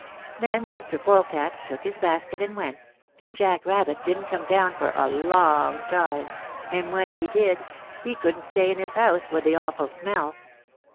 Then Mr. Polecat took his basket and went, and Jack Rabbit didn't come down for a long time, and when he did he couldn't stay in his house for the awful smell.